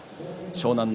湘南乃